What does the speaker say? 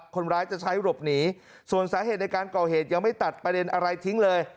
คนร้ายจะใช้หลบหนีส่วนสาเหตุในการก่อเหตุยังไม่ตัดประเด็นอะไรทิ้งเลย